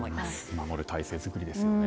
守る体制作りですよね。